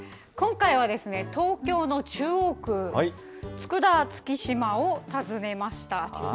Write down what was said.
今回は東京の中央区、佃・月島を訪ねました。